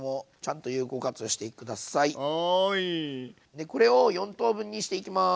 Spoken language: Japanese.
でこれを４等分にしていきます。